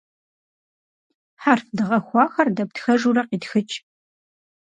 Хьэрф дэгъэхуахэр дэптхэжурэ къитхыкӏ.